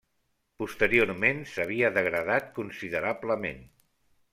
Posteriorment s'havia degradat considerablement.